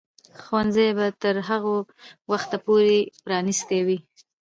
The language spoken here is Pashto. ښوونځي به تر هغه وخته پورې پرانیستي وي.